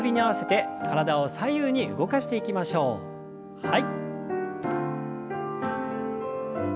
はい。